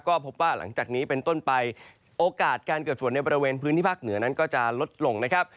ก็พบว่าหลังจากนี้เป็นต้นไปโอกาสการเกิดฝนในบริเวณพื้นที่ภาคเหนือนั้นก็จะลดลงนะครับ